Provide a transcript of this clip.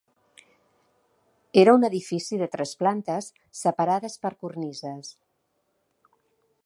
Era un edifici de tres plantes separades per cornises.